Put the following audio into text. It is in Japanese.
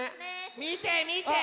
みてみて！